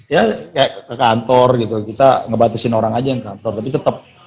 ya kayak ke kantor kita ngebatisin orang saja yang ke kantor tapi tetap